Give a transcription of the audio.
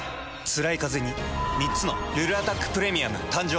つらいカゼに３つの「ルルアタックプレミアム」誕生。